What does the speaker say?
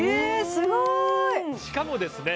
すごいしかもですね